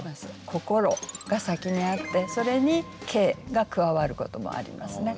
「心」が先にあってそれに「景」が加わることもありますね。